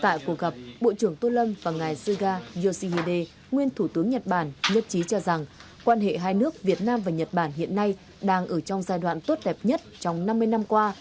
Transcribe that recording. tại cuộc gặp bộ trưởng tô lâm và ngài suga yoshihide nguyên thủ tướng nhật bản nhất trí cho rằng quan hệ hai nước việt nam và nhật bản hiện nay đang ở trong giai đoạn tốt đẹp nhất trong năm mươi năm qua